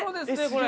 これ。